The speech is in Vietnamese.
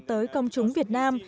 tới công chúng việt nam